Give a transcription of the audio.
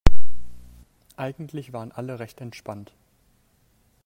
Eigentlich waren alle recht entspannt.